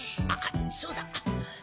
そうだ。